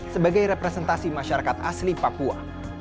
sebagai representasi masyarakat asli papua